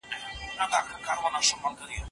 عضلات د کالوریو یو زیات شمېر تودوخې ته بدلوي.